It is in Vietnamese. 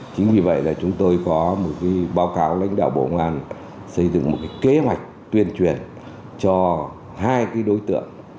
chính vì vậy là chúng tôi có một báo cáo lãnh đạo bộ ngoan xây dựng một kế hoạch tuyên truyền cho hai đối tượng